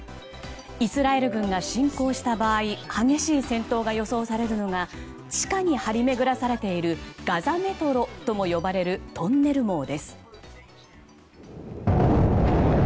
イスラエル軍が侵攻した場合激しい戦闘が予想されるのが地下に張り巡らされているガザメトロとも呼ばれるトンネル網です。